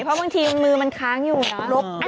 เพราะบางทีมือมันค้างอยู่เนอะ